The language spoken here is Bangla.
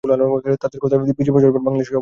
তাদের অনেকেই বিশ বছর যাবৎ বাংলাদেশে অবস্থান করছে।